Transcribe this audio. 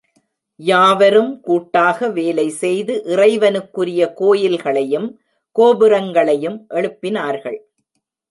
யாவரும் கூட்டாக வேலை செய்து இறைவனுக்குரிய கோயில்களையும், கோபுரங்களையும் எழுப்பினார்கள்.